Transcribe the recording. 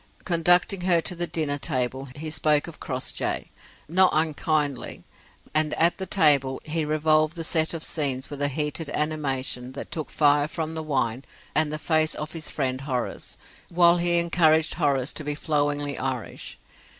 Conducting her to the dinner table, he spoke of Crossjay, not unkindly; and at table, he revolved the set of scenes with a heated animation that took fire from the wine and the face of his friend Horace, while he encouraged Horace to be flowingly Irish.